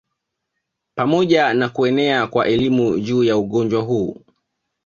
Pamoja na kuenea kwa elimu juu ya ugonjwa huu